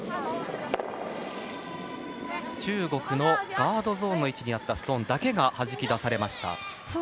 中国のガードゾーンの位置にあったストーンだけがはじき出されました。